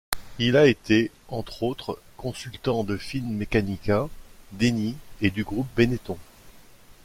Il a été, entre autres, consultant de Finmeccanica, d'Eni et du groupe Benetton.